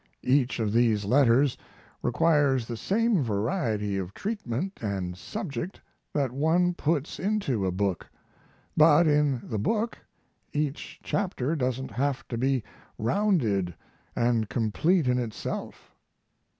Each of these letters requires the same variety of treatment and subject that one puts into a book; but in the book each chapter doesn't have to be rounded and complete in itself.